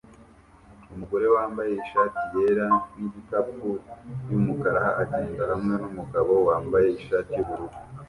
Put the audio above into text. Umugore wambaye ishati yera nigikapu yumukara agenda hamwe numugabo wambaye ishati yubururu